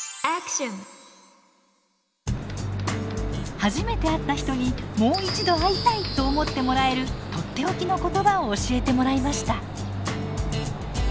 初めて会った人にもう一度会いたいと思ってもらえるとっておきの言葉を教えてもらいました。